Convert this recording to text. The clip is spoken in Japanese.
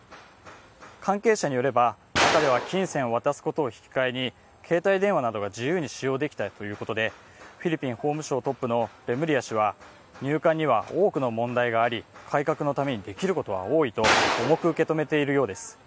関係者によれば、金銭を渡すことと引き換えに携帯電話を自由に使用できたということで、フィリピン法務省トップのレムリヤ氏は入管には多くの問題があり改革のためにできることは多いと重く受け止めている様です。